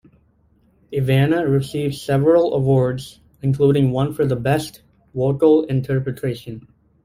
Ivana received several awards including one for the best vocal interpretation.